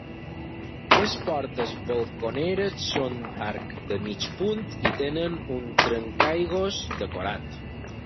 Les portes balconeres són d'arc de mig punt i tenen un trencaaigües decorat.